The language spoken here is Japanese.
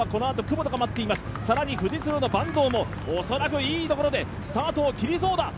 更に富士通の坂東もいいところでスタートを切りそうだ。